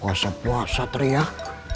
wah sepua sepua teriak